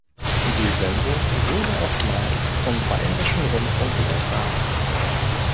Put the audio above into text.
Die Sendung wurde auch live vom Bayerischen Rundfunk übertragen.